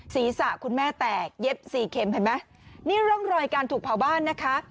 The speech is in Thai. ศีรษะคุณแม่แตกเย็บสี่เข็มเห็นไหมนี่ร่องรอยการถูกเผาบ้านนะคะ